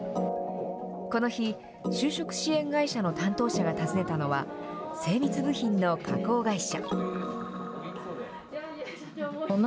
この日、就職支援会社の担当者が訪ねたのは、精密部品の加工会社。